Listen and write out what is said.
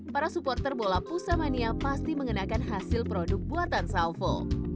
para supporter bola pusamania pasti mengenakan hasil produk buatan salvo